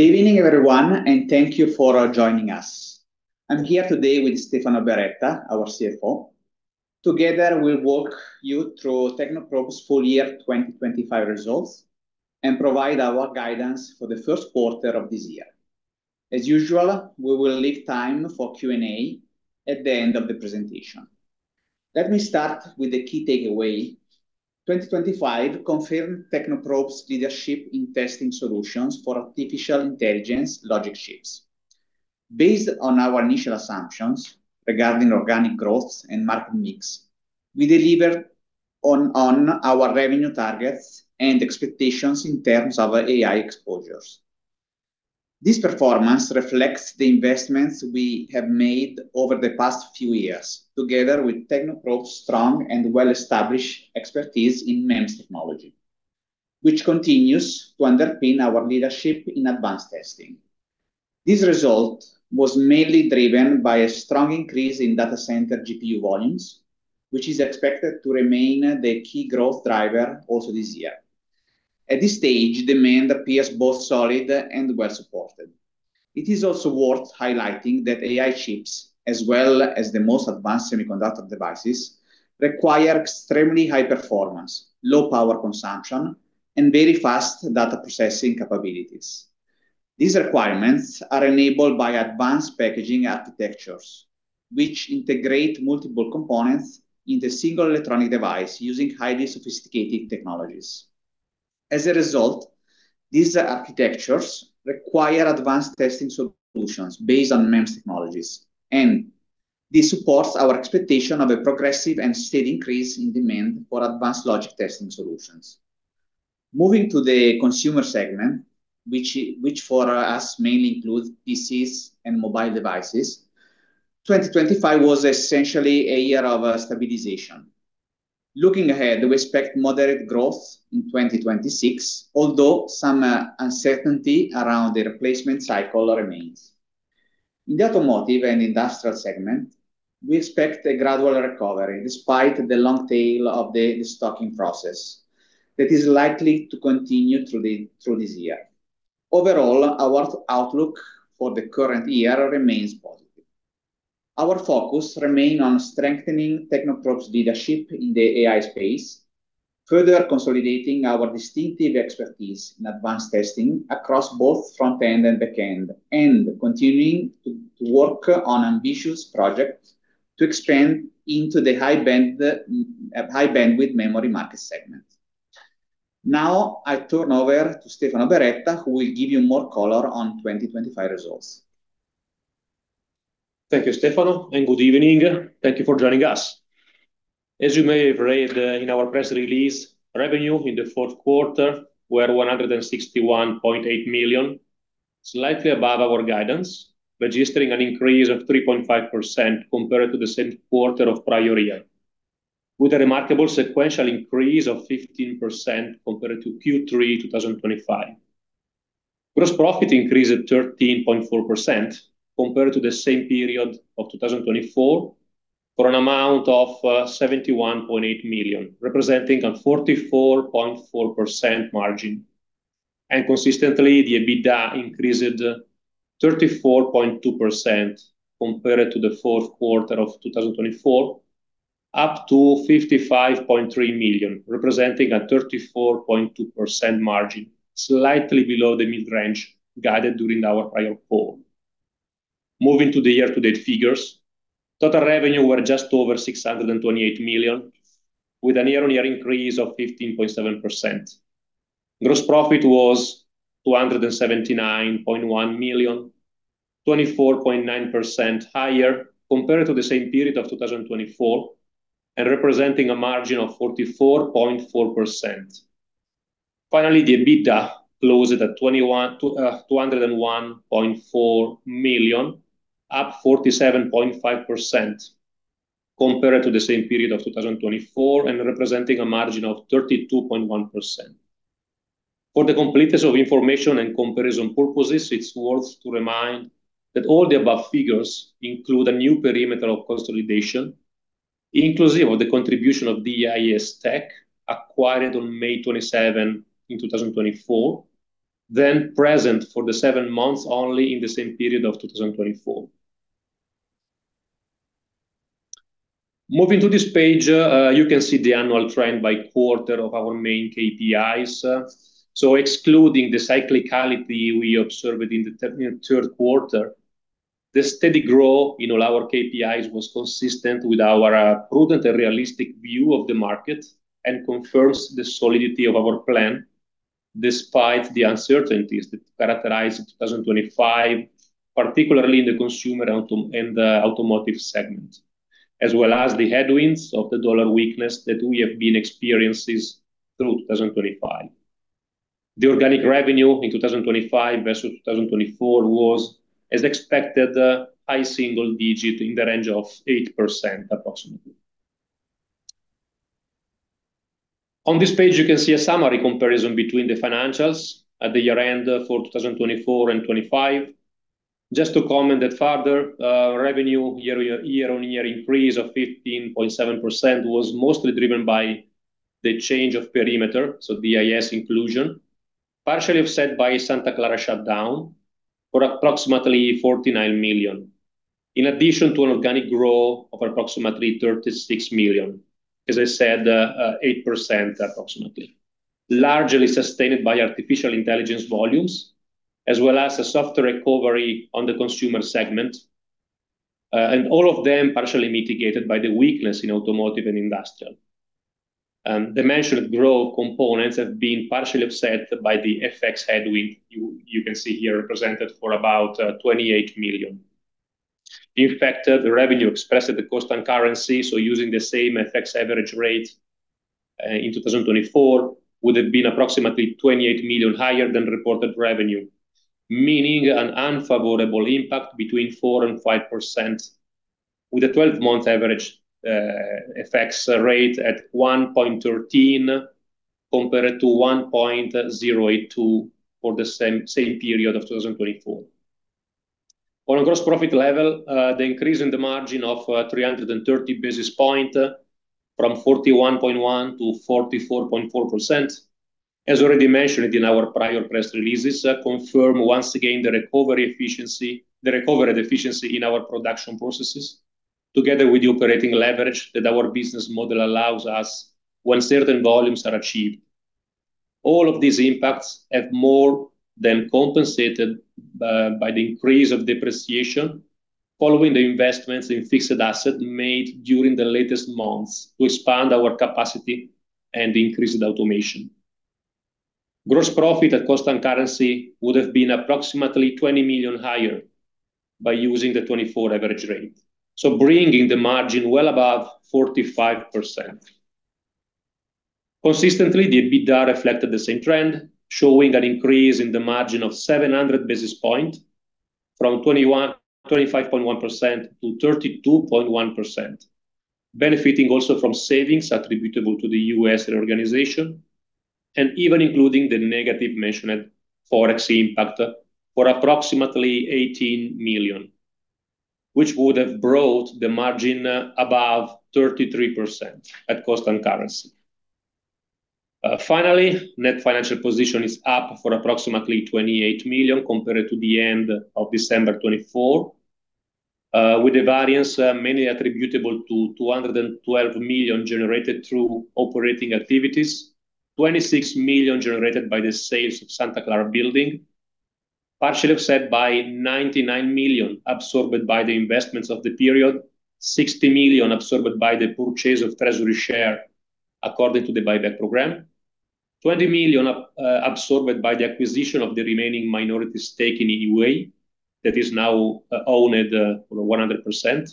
Good evening, everyone, and thank you for joining us. I'm here today with Stefano Beretta, our CFO. Together we'll walk you through Technoprobe's Full Year 2025 Results and provide our guidance for the first quarter of this year. As usual, we will leave time for Q&A at the end of the presentation. Let me start with the key takeaway. 2025 confirmed Technoprobe's leadership in testing solutions for artificial intelligence logic chips. Based on our initial assumptions regarding organic growth and market mix, we delivered on our revenue targets and expectations in terms of AI exposures. This performance reflects the investments we have made over the past few years, together with Technoprobe's strong and well-established expertise in MEMS technology, which continues to underpin our leadership in advanced testing. This result was mainly driven by a strong increase in data center GPU volumes, which is expected to remain the key growth driver also this year. At this stage, demand appears both solid and well-supported. It is also worth highlighting that AI chips, as well as the most advanced semiconductor devices, require extremely high performance, low power consumption, and very fast data processing capabilities. These requirements are enabled by advanced packaging architectures, which integrate multiple components into single electronic device using highly sophisticated technologies. As a result, these architectures require advanced testing solutions based on MEMS technologies, and this supports our expectation of a progressive and steady increase in demand for advanced logic testing solutions. Moving to the consumer segment, which for us mainly includes PCs and mobile devices, 2025 was essentially a year of stabilization. Looking ahead, we expect moderate growth in 2026, although some uncertainty around the replacement cycle remains. In the automotive and industrial segment, we expect a gradual recovery despite the long tail of the restocking process that is likely to continue through this year. Overall, our outlook for the current year remains positive. Our focus remain on strengthening Technoprobe's leadership in the AI space, further consolidating our distinctive expertise in advanced testing across both front-end and back-end, and continuing to work on ambitious projects to expand into the high-bandwidth memory market segment. Now, I turn over to Stefano Beretta, who will give you more color on 2025 results. Thank you, Stefano, and good evening. Thank you for joining us. As you may have read in our press release, revenue in the fourth quarter were 161.8 million, slightly above our guidance, registering an increase of 3.5% compared to the same quarter of prior year, with a remarkable sequential increase of 15% compared to Q3 2025. Gross profit increased at 13.4% compared to the same period of 2024, for an amount of 71.8 million, representing a 44.4% margin. Consistently, the EBITDA increased 34.2% compared to the fourth quarter of 2024, up to 55.3 million, representing a 34.2% margin, slightly below the mid-range guided during our prior call. Moving to the year-to-date figures, total revenue were just over 628 million, with a year-on-year increase of 15.7%. Gross profit was 279.1 million, 24.9% higher compared to the same period of 2024 and representing a margin of 44.4%. Finally, the EBITDA closed at 201.4 million, up 47.5% compared to the same period of 2024 and representing a margin of 32.1%. For the completeness of information and comparison purposes, it's worth to remind that all the above figures include a new perimeter of consolidation, inclusive of the contribution of the DIS Tech acquired on May 27 in 2024, then present for the seven months only in the same period of 2024. Moving to this page, you can see the annual trend by quarter of our main KPIs. Excluding the cyclicality we observed in the third quarter, you know, the steady growth in all our KPIs was consistent with our prudent and realistic view of the market and confirms the solidity of our plan despite the uncertainties that characterized 2025, particularly in the consumer and automotive segment, as well as the headwinds of the US dollar weakness that we have been experiencing through 2025. The organic revenue in 2025 versus 2024 was, as expected, high single digit in the range of 8% approximately. On this page, you can see a summary comparison between the financials at the year-end for 2024 and 2025. Just to comment that further, revenue year-over-year increase of 15.7% was mostly driven by the change of perimeter, so DIS inclusion, partially offset by Santa Clara shutdown for approximately 49 million. In addition to an organic growth of approximately 36 million. As I said, approximately 8%, largely sustained by artificial intelligence volumes, as well as a softer recovery on the consumer segment, and all of them partially mitigated by the weakness in automotive and industrial. The mentioned growth components have been partially offset by the FX headwind you can see here represented for about 28 million. In fact, the revenue expressed at constant currency, so using the same FX average rate, in 2024, would have been approximately 28 million higher than reported revenue, meaning an unfavorable impact between 4%-5% with a 12-month average FX rate at 1.13 compared to 1.082 for the same period of 2024. On a gross profit level, the increase in the margin of 330 basis points from 41.1%-44.4%, as already mentioned in our prior press releases, confirm once again the recovered efficiency in our production processes together with the operating leverage that our business model allows us when certain volumes are achieved. All of these impacts have more than compensated by the increase of depreciation following the investments in fixed asset made during the latest months to expand our capacity and increase the automation. Gross profit at cost and currency would have been approximately 20 million higher by using the 2024 average rate, so bringing the margin well above 45%. Consistently, the EBITDA reflected the same trend, showing an increase in the margin of 700 basis points from 25.1%-32.1%, benefiting also from savings attributable to the US reorganization and even including the negative mentioned FX impact for approximately 18 million, which would have brought the margin above 33% at cost and currency. Finally, net financial position is up for approximately 28 million compared to the end of December 2024, with a variance mainly attributable to 212 million generated through operating activities, 26 million generated by the sales of Santa Clara building, partially offset by 99 million absorbed by the investments of the period, 60 million absorbed by the purchase of treasury share according to the buyback program, 20 million absorbed by the acquisition of the remaining minority stake in the Yee Wei that is now owned 100%,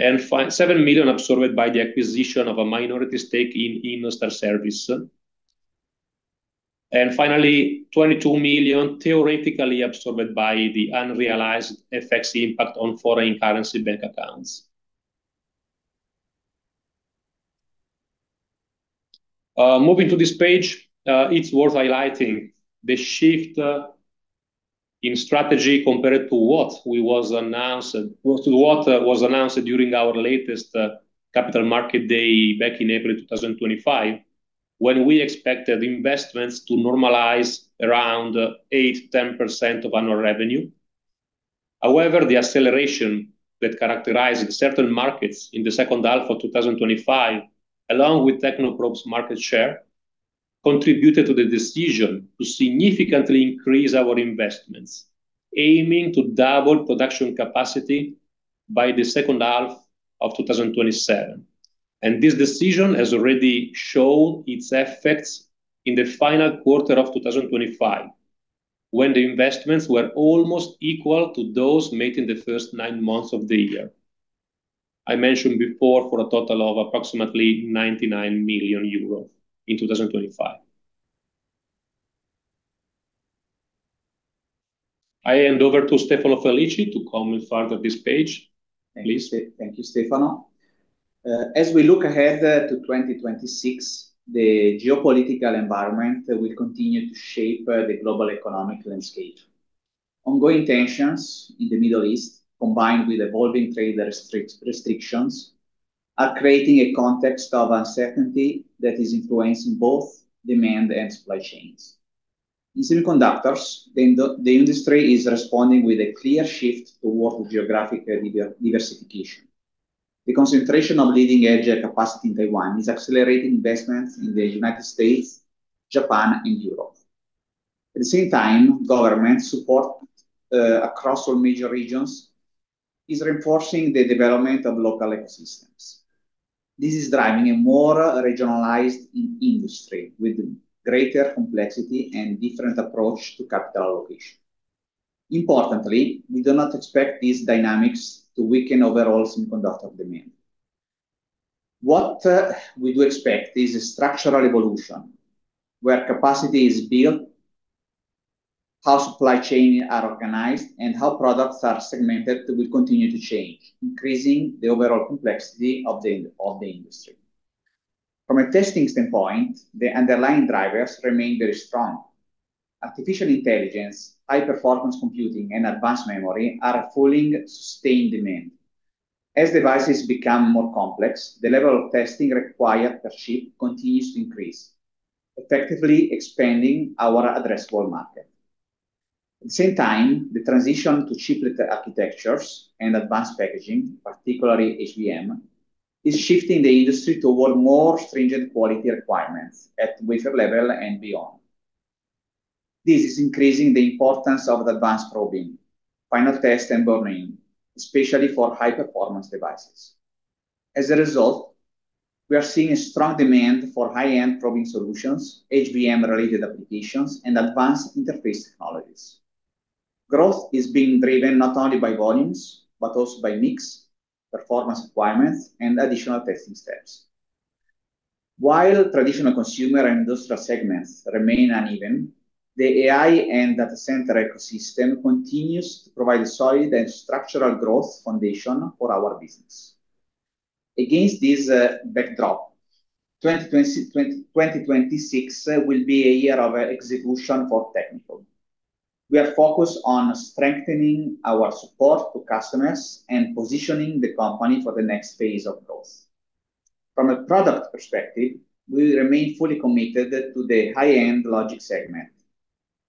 and 7 million absorbed by the acquisition of a minority stake in Innostar Service. Finally, 22 million theoretically absorbed by the unrealized FX impact on foreign currency bank accounts. Moving to this page, it's worth highlighting the shift in strategy compared to what was announced during our latest Capital Market Day back in April 2025, when we expected investments to normalize around 8%-10% of annual revenue. However, the acceleration that characterized certain markets in the second half of 2025, along with Technoprobe's market share, contributed to the decision to significantly increase our investments, aiming to double production capacity by the second half of 2027. This decision has already shown its effects in the final quarter of 2025, when the investments were almost equal to those made in the first nine months of the year. I mentioned before for a total of approximately 99 million euro in 2025. I hand over to Stefano Felici to comment further this page. Please. Thank you, Stefano. As we look ahead to 2026, the geopolitical environment will continue to shape the global economic landscape. Ongoing tensions in the Middle East, combined with evolving trade restrictions, are creating a context of uncertainty that is influencing both demand and supply chains. In semiconductors, the industry is responding with a clear shift towards geographic diversification. The concentration of leading-edge capacity in Taiwan is accelerating investments in the United States, Japan, and Europe. At the same time, government support across all major regions is reinforcing the development of local ecosystems. This is driving a more regionalized industry with greater complexity and different approach to capital allocation. Importantly, we do not expect these dynamics to weaken overall semiconductor demand. We do expect a structural evolution where capacity is built, how supply chain are organized, and how products are segmented will continue to change, increasing the overall complexity of the industry. From a testing standpoint, the underlying drivers remain very strong. Artificial intelligence, high-performance computing, and advanced memory are fueling sustained demand. As devices become more complex, the level of testing required per chip continues to increase, effectively expanding our addressable market. At the same time, the transition to chiplet architectures and advanced packaging, particularly HBM, is shifting the industry toward more stringent quality requirements at wafer level and beyond. This is increasing the importance of advanced probing, final test, and burn-in, especially for high-performance devices. As a result, we are seeing a strong demand for high-end probing solutions, HBM-related applications, and advanced interface technologies. Growth is being driven not only by volumes, but also by mix, performance requirements, and additional testing steps. While traditional consumer and industrial segments remain uneven, the AI and data center ecosystem continues to provide a solid and structural growth foundation for our business. Against this backdrop, 2026 will be a year of execution for Technoprobe. We are focused on strengthening our support to customers and positioning the company for the next phase of growth. From a product perspective, we remain fully committed to the high-end logic segment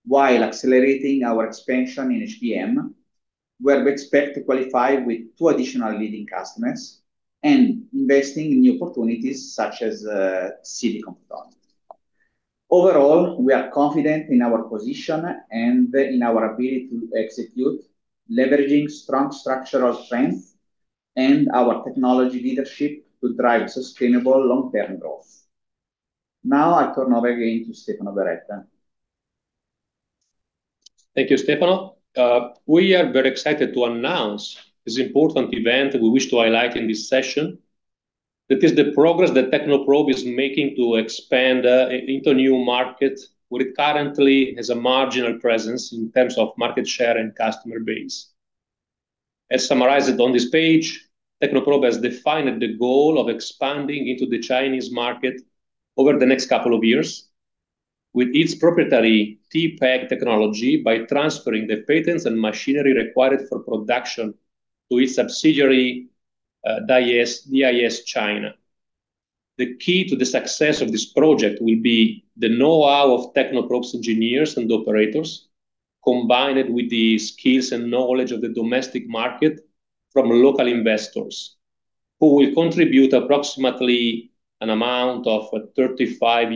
while accelerating our expansion in HBM, where we expect to qualify with two additional leading customers and investing in new opportunities such as silicon photonics. Overall, we are confident in our position and in our ability to execute, leveraging strong structural strength and our technology leadership to drive sustainable long-term growth. Now I turn over again to Stefano Beretta. Thank you, Stefano. We are very excited to announce this important event we wish to highlight in this session. That is the progress that Technoprobe is making to expand into new markets where it currently has a marginal presence in terms of market share and customer base. As summarized on this page, Technoprobe has defined the goal of expanding into the Chinese market over the next couple of years with its proprietary TPEG technology by transferring the patents and machinery required for production to its subsidiary, DIS China. The key to the success of this project will be the know-how of Technoprobe's engineers and operators, combined with the skills and knowledge of the domestic market from local investors, who will contribute approximately an amount of $35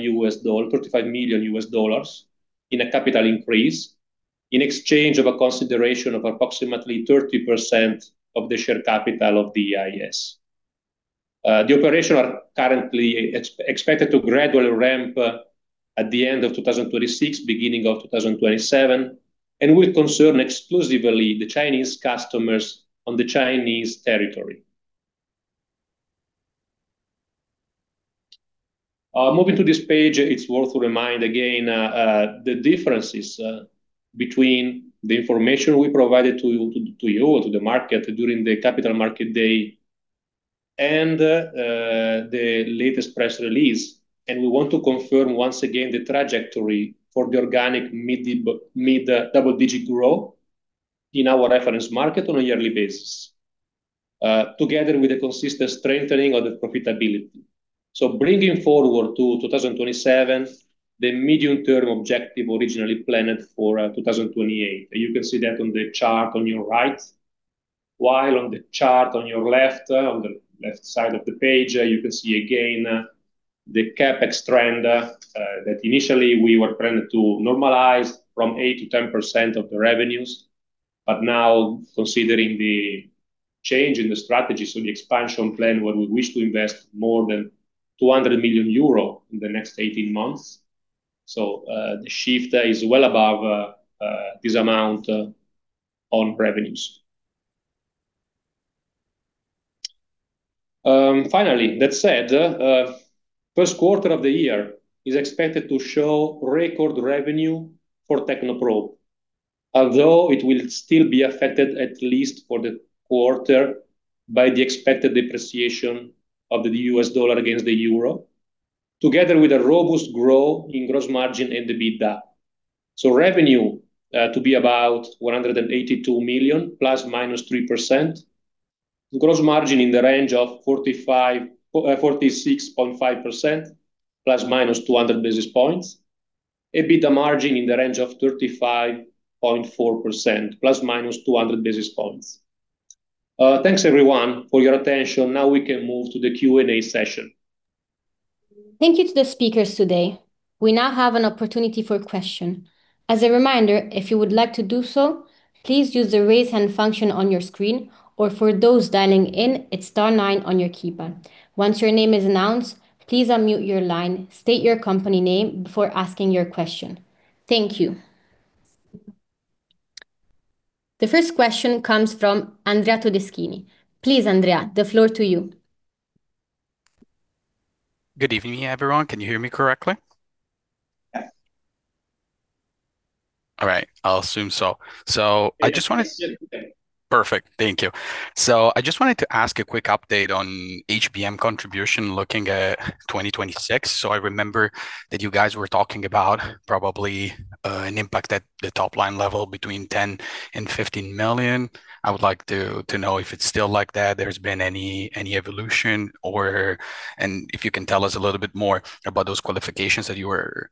million in a capital increase in exchange for a consideration of approximately 30% of the share capital of DIS. The operations are currently expected to gradually ramp at the end of 2026, beginning of 2027, and will concern exclusively the Chinese customers on the Chinese territory. Moving to this page, it's worth reminding again the differences between the information we provided to you, to the market during the Capital Market Day and the latest press release. We want to confirm once again the trajectory for the organic mid-double digit growth in our reference market on a yearly basis, together with the consistent strengthening of the profitability. Bringing forward to 2027 the medium-term objective originally planned for 2028. You can see that on the chart on your right. While on the chart on your left, on the left side of the page, you can see again the CapEx trend that initially we were planning to normalize from 8%-10% of the revenues. Now considering the change in the strategy, the expansion plan where we wish to invest more than 200 million euro in the next 18 months. The shift is well above this amount on revenues. Finally, that said, first quarter of the year is expected to show record revenue for Technoprobe, although it will still be affected at least for the quarter by the expected depreciation of the US dollar against the Euro, together with a robust growth in gross margin and the EBITDA. Revenue to be about 182 million ±3%. Gross margin in the range of 46.5% ±200 basis points. EBITDA margin in the range of 35.4% ±200 basis points. Thanks everyone for your attention. Now we can move to the Q&A session. Thank you to the speakers today. We now have an opportunity for question. As a reminder, if you would like to do so, please use the raise hand function on your screen, or for those dialing in, it's star nine on your keypad. Once your name is announced, please unmute your line, state your company name before asking your question. Thank you. The first question comes from Andrea Todeschini. Please, Andrea, the floor to you. Good evening, everyone. Can you hear me correctly? I'll assume so. I just wanted. Yeah. Perfect. Thank you. I just wanted to ask a quick update on HBM contribution looking at 2026. I remember that you guys were talking about probably an impact at the top line level between 10 million and 15 million. I would like to know if it's still like that, there's been any evolution. If you can tell us a little bit more about those qualifications that you were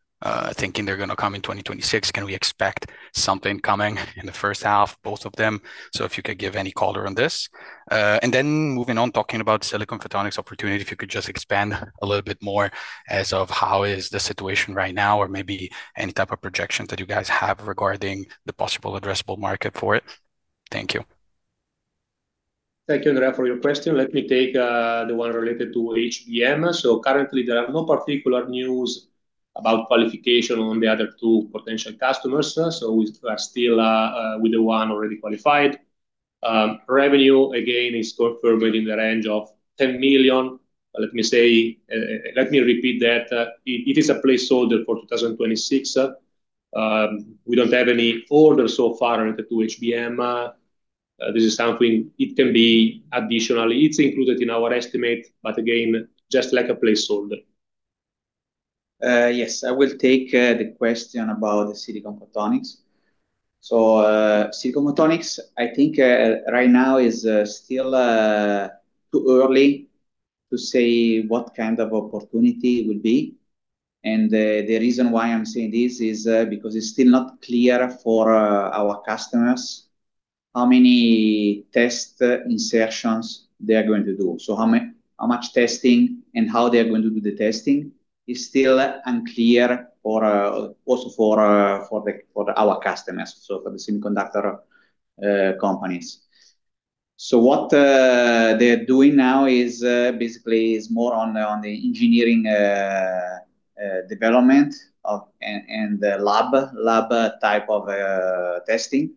thinking they're gonna come in 2026. Can we expect something coming in the first half, both of them? If you could give any color on this. Moving on, talking about silicon photonics opportunity, if you could just expand a little bit more as to how is the situation right now or maybe any type of projections that you guys have regarding the possible addressable market for it. Thank you. Thank you, Andrea, for your question. Let me take the one related to HBM. Currently, there are no particular news about qualification on the other two potential customers. We are still with the one already qualified. Revenue again is confirmed within the range of 10 million. Let me repeat that. It is a placeholder for 2026. We don't have any orders so far related to HBM. This is something that can be additional. It's included in our estimate, but again, just like a placeholder. Yes, I will take the question about the silicon photonics. Silicon photonics, I think, right now is still too early to say what kind of opportunity it will be. The reason why I am saying this is because it is still not clear for our customers how many test insertions they are going to do. How much testing and how they are going to do the testing is still unclear also for our customers, so for the semiconductor companies. What they are doing now is basically more on the engineering development and the lab type of testing.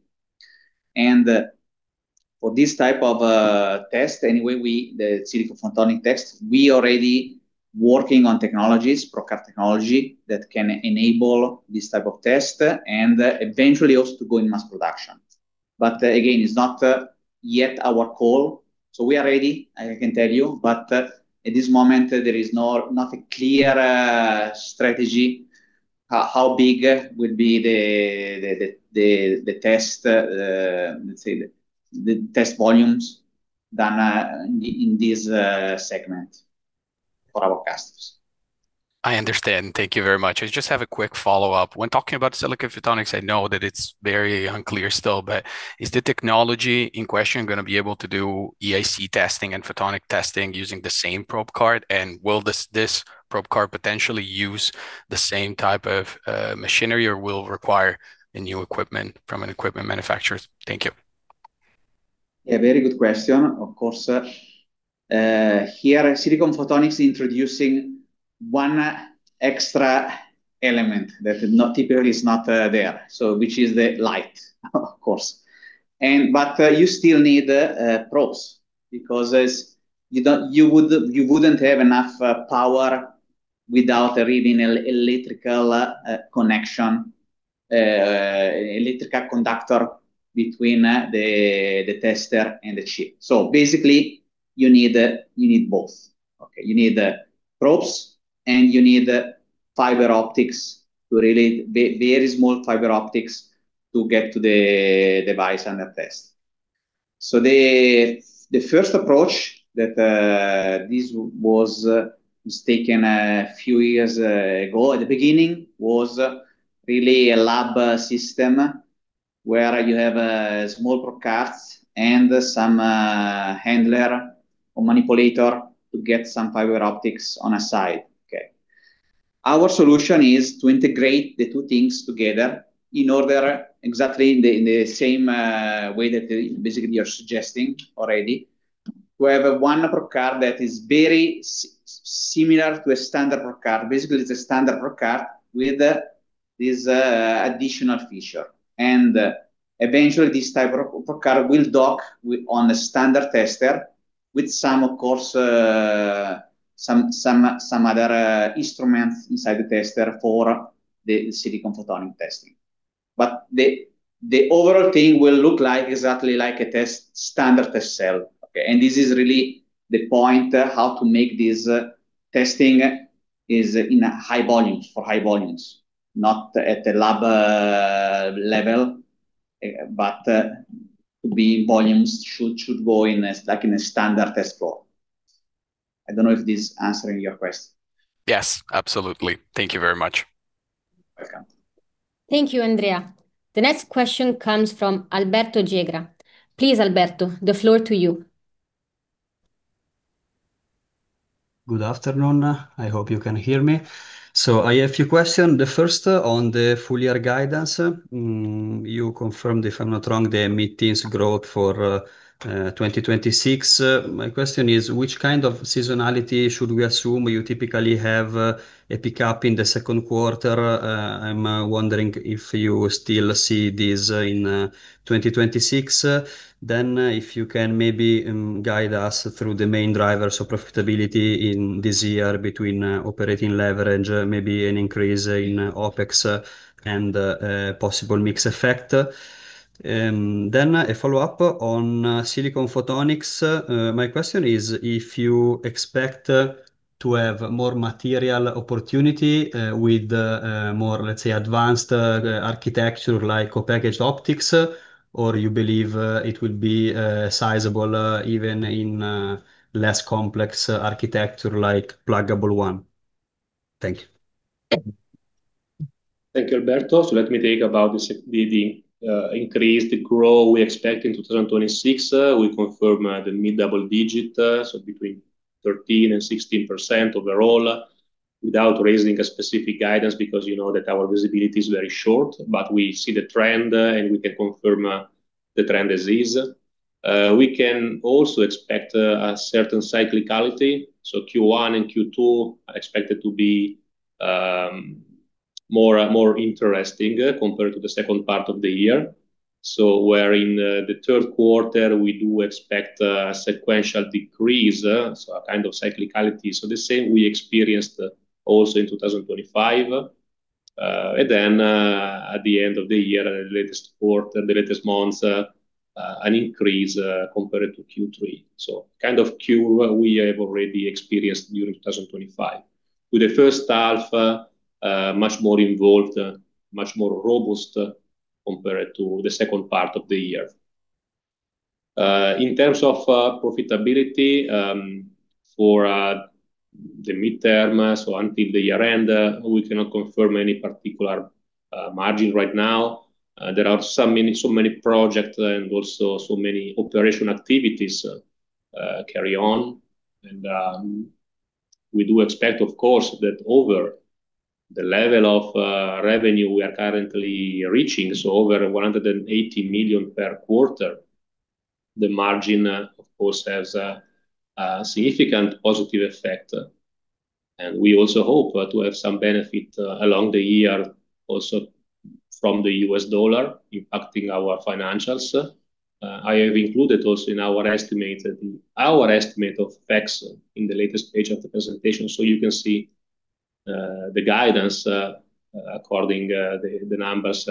For this type of test anyway, the silicon photonics test, we already working on technologies, product technology that can enable this type of test, and eventually also to go in mass production. Again, it's not yet our call. We are ready, I can tell you, but at this moment there is no a clear strategy how big will be the test, let's say the test volumes than in this segment for our customers. I understand. Thank you very much. I just have a quick follow-up. When talking about silicon photonics, I know that it's very unclear still, but is the technology in question gonna be able to do EIC testing and photonic testing using the same probe card? Will this probe card potentially use the same type of machinery or will require a new equipment from an equipment manufacturer? Thank you. Yeah, very good question, of course. Here, silicon photonics introducing one extra element that is not typically there, so which is the light of course. But you still need probes because you wouldn't have enough power without really an electrical conductor between the tester and the chip. Basically, you need both. Okay. You need the probes, and you need very small fiber optics to get to the device under test. The first approach that was taken a few years ago at the beginning was really a lab system where you have small probe cards and some handler or manipulator to get some fiber optics on a side. Okay. Our solution is to integrate the two things together in order exactly in the same way that basically you're suggesting already. We have one probe card that is very similar to a standard probe card. Basically it's a standard probe card with this additional feature. Eventually this type of probe card will dock on a standard tester with some of course some other instruments inside the tester for the silicon photonics testing. The overall thing will look like exactly like a standard test cell. Okay. This is really the point how to make this testing is in high volumes, for high volumes, not at the lab level, but to be volumes should go in a like in a standard test flow. I don't know if this answering your question. Yes, absolutely. Thank you very much. Welcome. Thank you, Andrea. The next question comes from Alberto Gegra. Please, Alberto, the floor to you. Good afternoon. I hope you can hear me. I have a few questions. The first on the full year guidance. You confirmed, if I'm not wrong, the mid-teens growth for 2026. My question is which kind of seasonality should we assume? You typically have a pickup in the second quarter. I'm wondering if you still see this in 2026. If you can maybe guide us through the main drivers of profitability in this year between operating leverage, maybe an increase in OpEx and possible mix effect. A follow-up on silicon photonics. My question is if you expect To have more material opportunity, with the more, let's say, advanced architecture like co-packaged optics, or you believe it would be sizable even in less complex architecture like pluggable one? Thank you. Thank you, Alberto. Let me talk about the increased growth we expect in 2026. We confirm the mid-double-digit, so between 13% and 16% overall, without raising a specific guidance because you know that our visibility is very short. We see the trend and we can confirm the trend as is. We can also expect a certain cyclicality. Q1 and Q2 are expected to be more interesting compared to the second part of the year. In the third quarter we do expect sequential decrease, a kind of cyclicality. The same we experienced also in 2025. Then at the end of the year, the latest quarter, the latest months, an increase compared to Q3. Kind of Q we have already experienced during 2025. With the first half much more involved, much more robust, compared to the second part of the year. In terms of profitability, for the midterm, so until the year-end, we cannot confirm any particular margin right now. There are so many projects and also so many operational activities carry on. We do expect, of course, that over the level of revenue we are currently reaching, so over 180 million per quarter, the margin, of course, has a significant positive effect. We also hope to have some benefit along the year also from the US dollar impacting our financials. I have included also in our estimate of FX effects in the latest page of the presentation, so you can see the guidance according to the numbers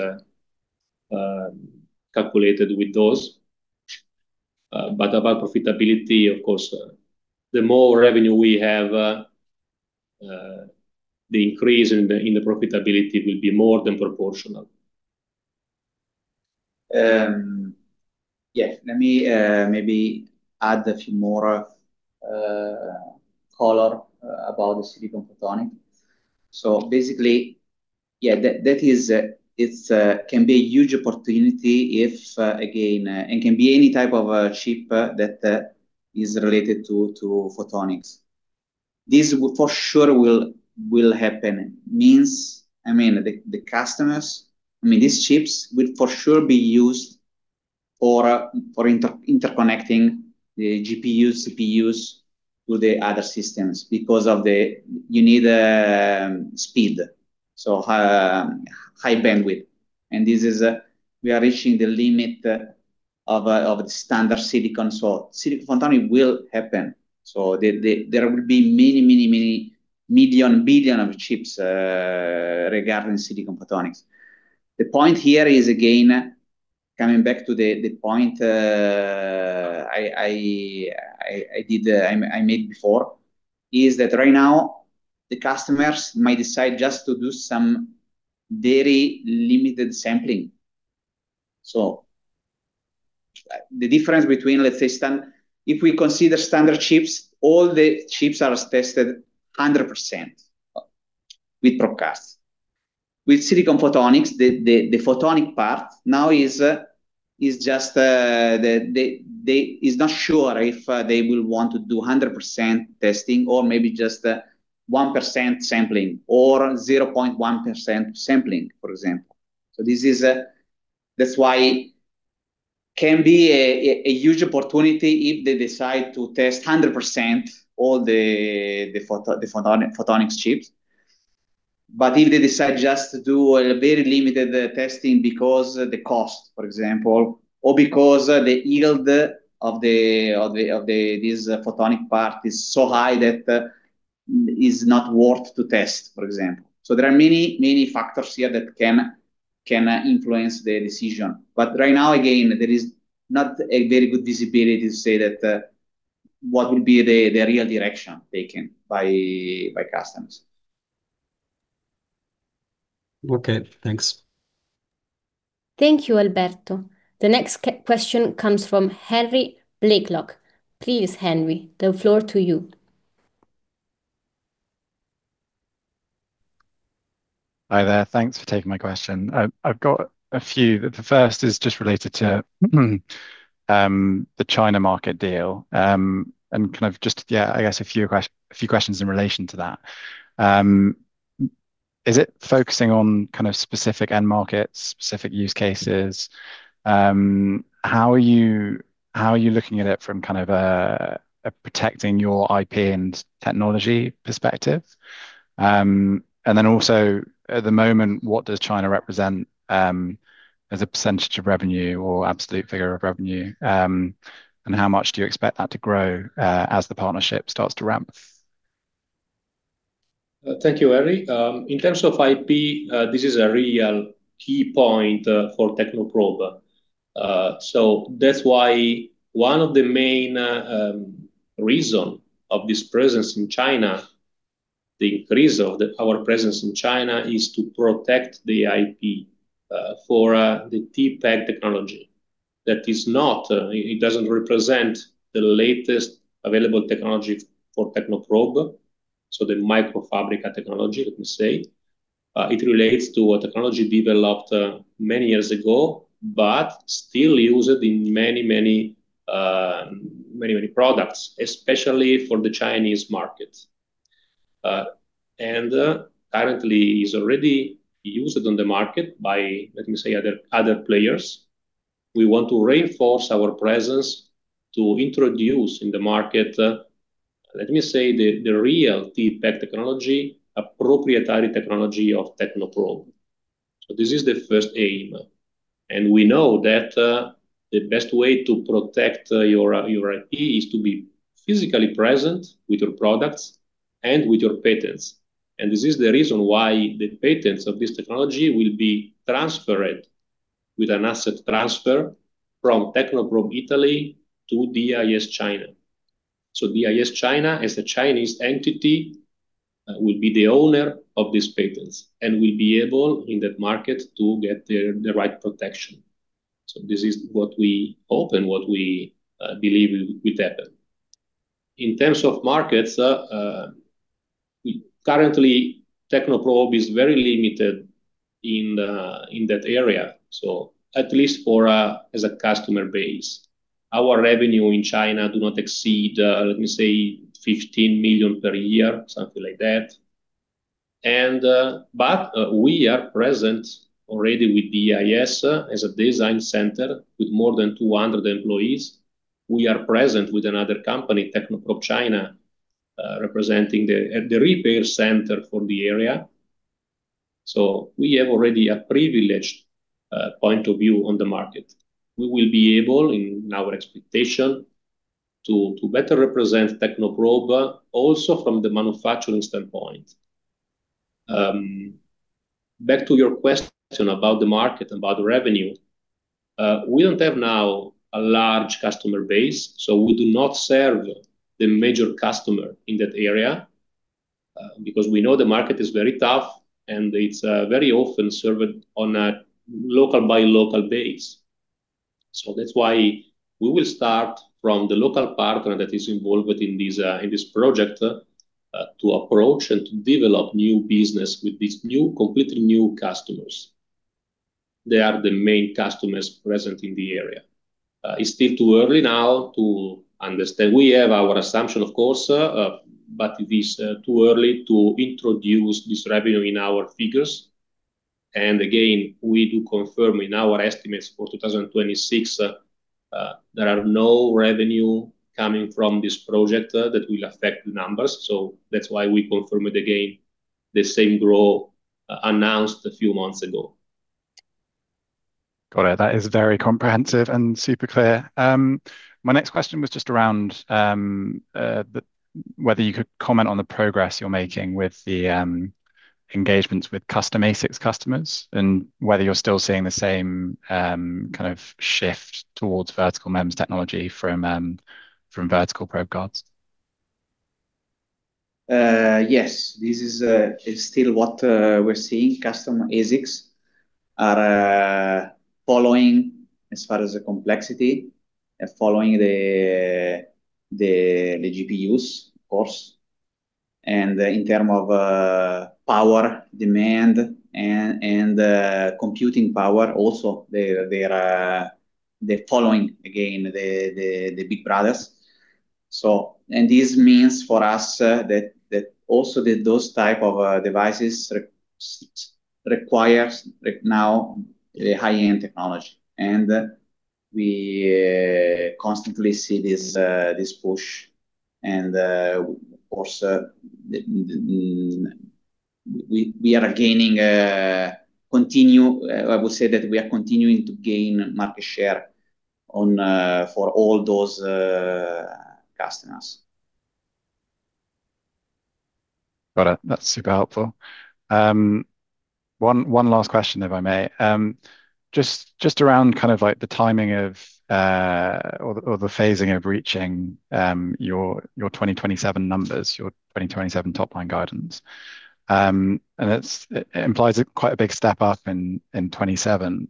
calculated with those. About profitability, of course, the more revenue we have, the increase in the profitability will be more than proportional. Yes. Let me maybe add a few more color about the silicon photonics. Basically, yeah, that is it can be a huge opportunity if again it can be any type of a chip that is related to photonics. This for sure will happen. I mean the customers I mean these chips will for sure be used for interconnecting the GPUs, CPUs to the other systems because of the. You need speed so high bandwidth. This is we are reaching the limit of the standard silicon. Silicon photonics will happen. There will be many million, billion of chips regarding silicon photonics. The point here is, again, coming back to the point I made before, is that right now the customers may decide just to do some very limited sampling. The difference between, let's say, if we consider standard chips, all the chips are tested 100% with probe cards. With silicon photonics, the photonic part now is just. They are not sure if they will want to do 100% testing or maybe just 1% sampling or 0.1% sampling, for example. This is, that's why it can be a huge opportunity if they decide to test 100% all the photonics chips. If they decide just to do a very limited testing because the cost, for example, or because the yield of this photonic part is so high that is not worth to test, for example. There are many factors here that can influence the decision. Right now, again, there is not a very good visibility to say that what will be the real direction taken by customers. Okay, thanks. Thank you, Alberto. The next question comes from Harry Blaiklock. Please, Henry, the floor to you. Hi there. Thanks for taking my question. I've got a few. The first is just related to the China market deal, and kind of just, yeah, I guess a few questions in relation to that. Is it focusing on kind of specific end markets, specific use cases? How are you looking at it from kind of a protecting your IP and technology perspective? And then also at the moment, what does China represent as a percentage of revenue or absolute figure of revenue? And how much do you expect that to grow as the partnership starts to ramp? Thank you, Harry. In terms of IP, this is a real key point for Technoprobe. That's why one of the main reason of this presence in China, our presence in China is to protect the IP for the TPAC technology. It doesn't represent the latest available technology for Technoprobe, so the microfabrication technology, let me say. It relates to a technology developed many years ago, but still used in many products, especially for the Chinese market. Currently is already used on the market by, let me say, other players. We want to reinforce our presence to introduce in the market, let me say, the real TPAC technology, proprietary technology of Technoprobe. This is the first aim. We know that the best way to protect your IP is to be physically present with your products and with your patents. This is the reason why the patents of this technology will be transferred with an asset transfer from Technoprobe Italy to DIS China. DIS China, as a Chinese entity, will be the owner of these patents and will be able in that market to get the right protection. This is what we hope and what we believe will happen. In terms of markets, currently, Technoprobe is very limited in that area, so at least for as a customer base. Our revenue in China do not exceed, let me say 15 million per year, something like that. We are present already with DIS as a design center with more than 200 employees. We are present with another company, Technoprobe China, representing the repair center for the area. We have already a privileged point of view on the market. We will be able, in our expectation, to better represent Technoprobe also from the manufacturing standpoint. Back to your question about the market, about the revenue. We don't have now a large customer base, so we do not serve the major customer in that area, because we know the market is very tough, and it's very often served on a local-by-local basis. That's why we will start from the local partner that is involved in this project to approach and to develop new business with these new, completely new customers. They are the main customers present in the area. It's still too early now to understand. We have our assumption, of course, but it is too early to introduce this revenue in our figures. Again, we do confirm in our estimates for 2026 that there are no revenue coming from this project that will affect the numbers. That's why we confirm it again, the same growth announced a few months ago. Got it. That is very comprehensive and super clear. My next question was just around whether you could comment on the progress you're making with the engagements with custom ASICs customers and whether you're still seeing the same kind of shift towards vertical MEMS technology from vertical probe cards. Yes. This is still what we're seeing. Custom ASICs are following as far as the complexity and following the GPUs, of course. In terms of power demand and computing power also, they're following again the big brothers. This means for us that those types of devices require like now a high-end technology. We constantly see this push. Of course, we are continuing, I would say, to gain market share for all those customers. Got it. That's super helpful. One last question, if I may. Just around kind of like the timing of or the phasing of reaching your 2027 numbers, your 2027 top line guidance. It implies quite a big step up in 2027.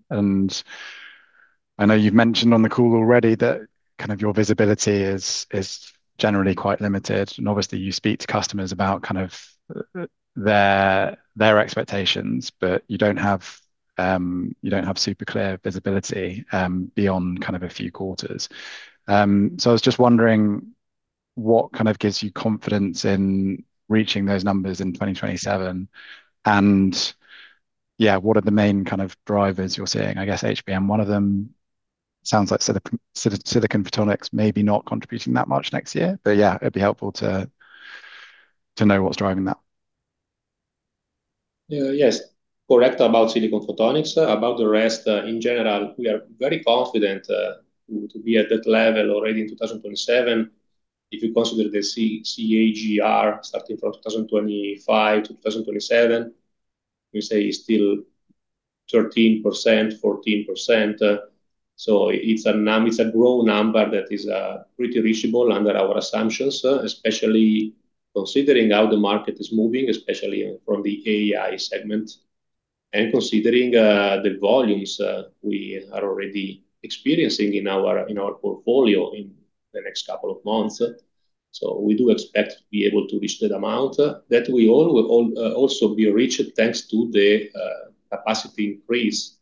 I know you've mentioned on the call already that kind of your visibility is generally quite limited, and obviously you speak to customers about kind of their expectations, but you don't have super clear visibility beyond kind of a few quarters. I was just wondering what kind of gives you confidence in reaching those numbers in 2027, and yeah, what are the main kind of drivers you're seeing? I guess HBM, one of them sounds like silicon photonics may be not contributing that much next year. Yeah, it'd be helpful to know what's driving that. Yeah, yes. Correct about silicon photonics. About the rest, in general, we are very confident to be at that level already in 2007 if you consider the CAGR starting from 2025-2027, we say it's still 13%, 14%. It's a growth number that is pretty reachable under our assumptions, especially considering how the market is moving, especially from the AI segment, and considering the volumes we are already experiencing in our portfolio in the next couple of months. We do expect to be able to reach that amount that we all will also be reached thanks to the capacity increase.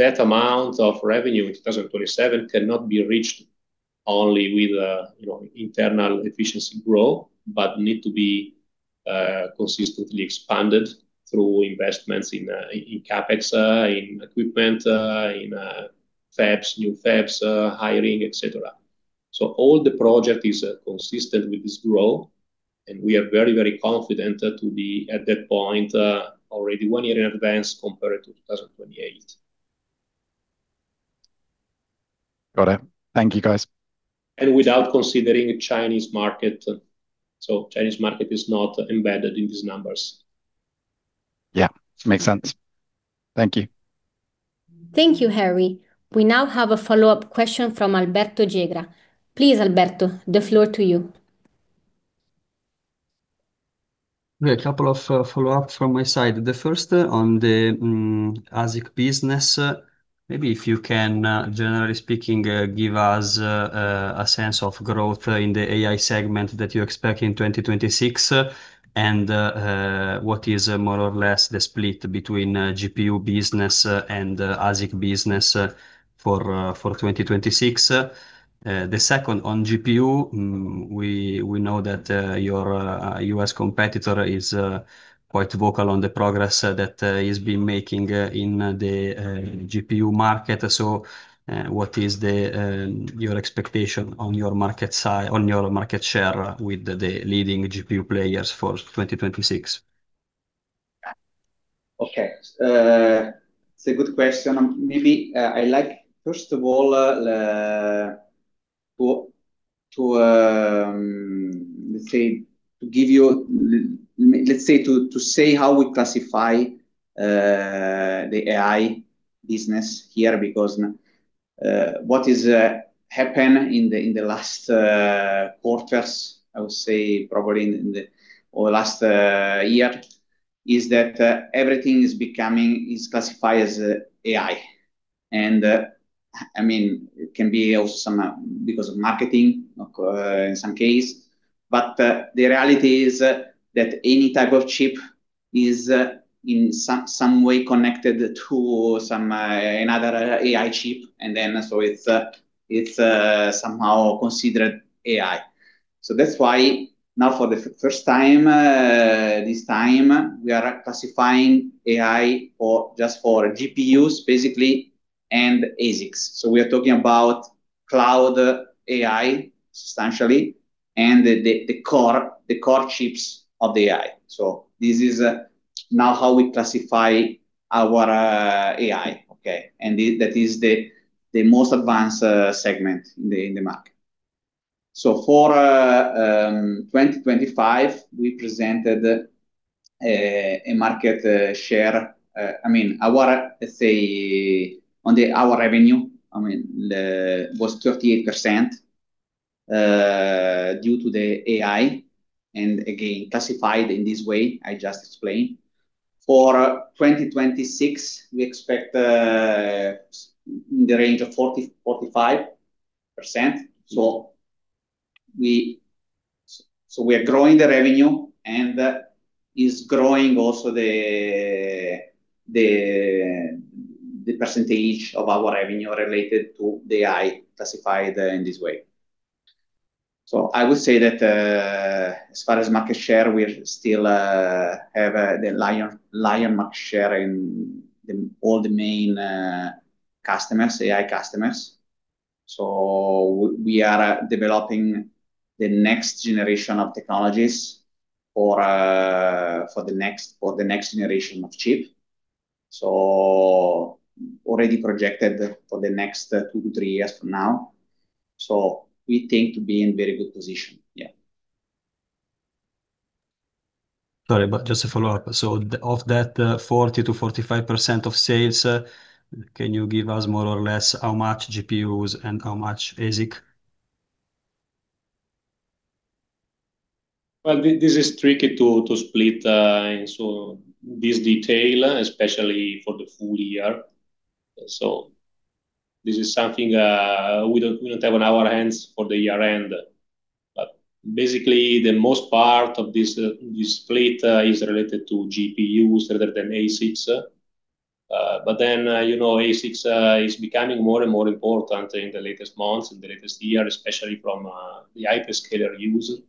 That amount of revenue in 2027 cannot be reached only with, you know, internal efficiency growth, but need to be consistently expanded through investments in CapEx, in equipment, in fabs, new fabs, hiring, et cetera. All the project is consistent with this growth, and we are very, very confident to be at that point, already one year in advance compared to 2028. Got it. Thank you, guys. Without considering Chinese market, so Chinese market is not embedded in these numbers. Yeah, makes sense. Thank you. Thank you, Harry. We now have a follow-up question from Alberto Gegra. Please, Alberto, the floor to you. A couple of follow-ups from my side. The first on the ASIC business, maybe if you can generally speaking give us a sense of growth in the AI segment that you expect in 2026, and what is more or less the split between GPU business and ASIC business for 2026. The second on GPU, we know that your US competitor is quite vocal on the progress that he's been making in the GPU market. What is your expectation on your market share with the leading GPU players for 2026? Okay. It's a good question. Maybe I'd like first of all let's say to say how we classify the AI business here because what is happened in the last quarters, I would say probably in the last year, is that everything is classified as AI. I mean, it can be also somewhat because of marketing in some cases. The reality is that any type of chip is in some way connected to some other AI chip. And then so it's somehow considered AI. That's why now for the first time this time we are classifying AI just for GPUs basically, and ASICs. We are talking about cloud AI substantially, and the core chips of the AI. This is now how we classify our AI, okay? That is the most advanced segment in the market. For 2025, we presented a market share. I mean, our revenue, I mean, was 38% due to the AI, and again, classified in this way I just explained. For 2026, we expect in the range of 40%-45%. We are growing the revenue, and that is growing also the percentage of our revenue related to the AI classified in this way. I would say that, as far as market share, we still have the lion market share in all the main customers, AI customers. We are developing the next generation of technologies for the next generation of chip. We think to be in very good position. Yeah. Sorry, but just a follow-up. Of that 40%-45% of sales, can you give us more or less how much GPUs and how much ASIC? Well, this is tricky to split, so this detail, especially for the full year. This is something we don't have on our hands for the year-end. Basically, the most part of this split is related to GPUs rather than ASICs. But then, you know, ASICs is becoming more and more important in the latest months, in the latest year, especially from the hyperscaler use.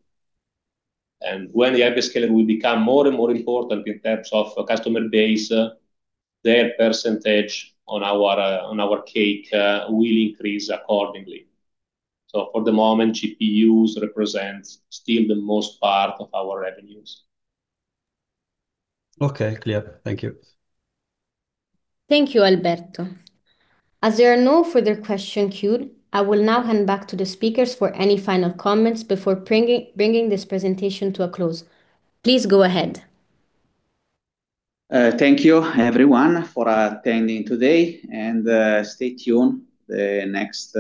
When the hyperscaler will become more and more important in terms of customer base, their percentage on our cake will increase accordingly. For the moment, GPUs represents still the most part of our revenues. Okay. Clear. Thank you. Thank you, Alberto. As there are no further questions queued, I will now hand back to the speakers for any final comments before bringing this presentation to a close. Please go ahead. Thank you, everyone, for attending today and stay tuned the next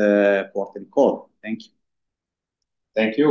quarter call. Thank you. Thank you.